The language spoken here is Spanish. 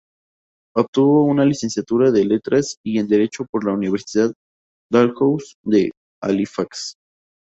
Obtuvo una licenciatura en Letras y en Derecho por la Universidad Dalhousie de Halifax.